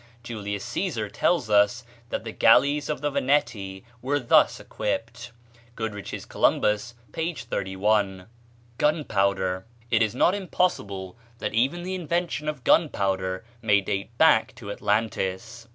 Julius Cæsar tells us that the galleys of the Veneti were thus equipped. (Goodrich's "Columbus," p. 31.) Gunpowder. It is not impossible that even the invention of gunpowder may date back to Atlantis.